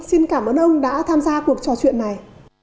xin cảm ơn ông đã tham gia cuộc trò chuyện này